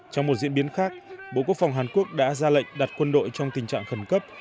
trong một diễn biến khác bộ quốc phòng hàn quốc đã ra lệnh đặt quân đội trong tình trạng khẩn cấp